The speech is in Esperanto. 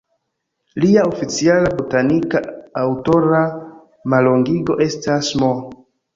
Lia oficiala botanika aŭtora mallongigo estas "M.".